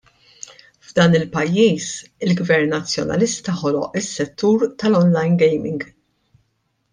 F'dan il-pajjiż il-Gvern Nazzjonalista ħoloq is-settur tal-online gaming.